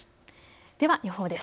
では予報です。